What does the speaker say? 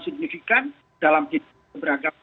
signifikan dalam hidup beragama